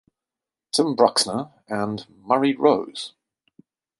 Tim Bruxner and, Murray Rose.